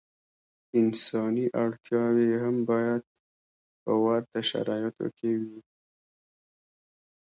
انساني اړتیاوې یې هم باید په ورته شرایطو کې وي.